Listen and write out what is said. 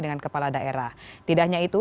dengan kepala daerah tidaknya itu